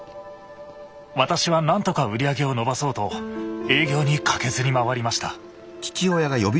私は何とか売り上げを伸ばそうと営業に駆けずり回りました。